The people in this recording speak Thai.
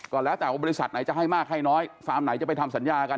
ก็แล้วแต่ว่าบริษัทไหนจะให้มากให้น้อยฟาร์มไหนจะไปทำสัญญากัน